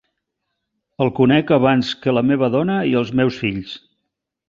El conec abans que la meva dona i els meus fills.